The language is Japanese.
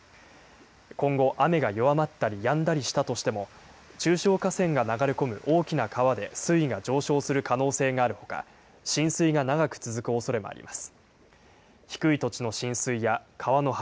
今後、雨が弱まったりやんだりしたとしても中小河川が流れ込む大きな川で水位が上昇する可能性があるほか浸水が長く続くおそれもあります。